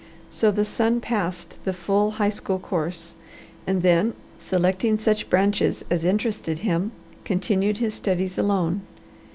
So the son passed the full high school course, and then, selecting such branches as interested him, continued his studies alone.